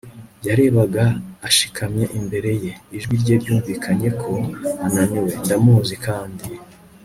yarebaga ashikamye imbere ye. ijwi rye ryumvikanye ko ananiwe. 'ndamuzi kandi